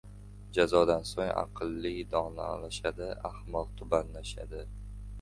• Jazodan so‘ng aqlli donolashadi, ahmoq tubanlashadi.